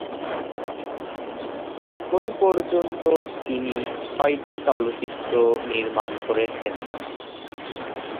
এখন পর্যন্ত তিনি ছয়টি চলচ্চিত্র নির্মাণ করেছেন।